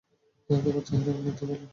তোমার চেহারা এমনিতেই ভালো।